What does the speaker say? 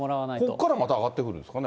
ここからまた上がってくるんですかね。